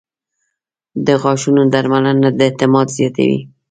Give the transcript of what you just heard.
• د غاښونو درملنه د اعتماد زیاتوي.